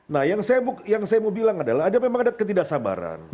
nah yang saya mau bilang adalah ada memang ada ketidaksabaran